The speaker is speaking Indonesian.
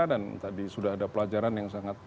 dan tadi sudah ada pelajaran yang sangat